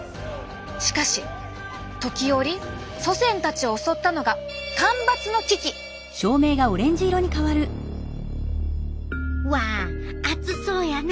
しかし時折祖先たちを襲ったのがうわ暑そうやな。